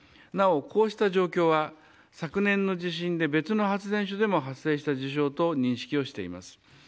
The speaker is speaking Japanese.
なお、こうした状況は昨年の地震で別の発電所でも発生した事象との認識をしています。